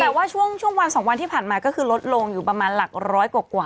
แต่ว่าช่วงวัน๒วันที่ผ่านมาก็คือลดลงอยู่ประมาณหลักร้อยกว่า